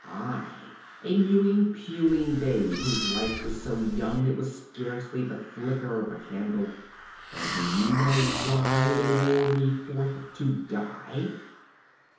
I, a mewing, puling babe whose life was so young it was scarcely the flicker of a candle. And do you know why they bore me forth to die?'